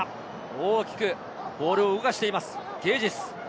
大きくボールを動かしています、ゲージス。